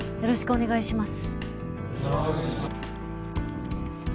・お願いします